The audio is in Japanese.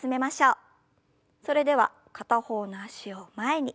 それでは片方の脚を前に。